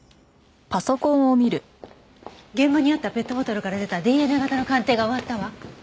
現場にあったペットボトルから出たＤＮＡ型の鑑定が終わったわ。